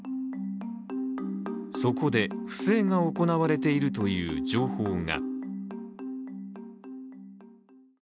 そこで、不正が行われているという情報が。